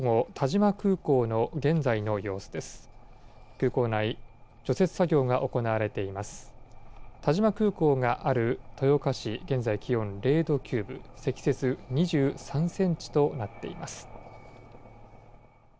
但馬空港がある豊岡市、現在、気温０度９分、積雪２３センチとなっています。